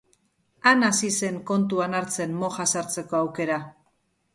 Han hasi zen kontuan hartzen moja sartzeko aukera.